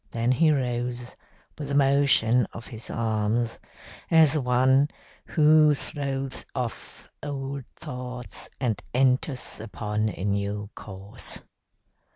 Then he rose with a motion of his arms, as one who throws off old thoughts and enters upon a new course.